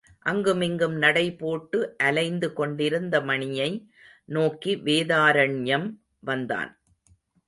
அங்குமிங்கும் நடை போட்டு அலைந்து கொண்டிருந்த மணியை நோக்கி வேதாரண்யம் வந்தான்.